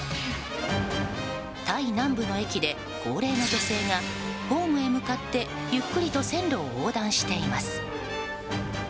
タイ南部の駅で高齢の女性がホームへ向かってゆっくりと線路を横断しています。